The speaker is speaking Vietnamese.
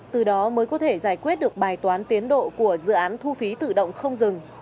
từ đó mới có thể giải quyết được bài toán tiến độ của dự án thu phí tự động không dừng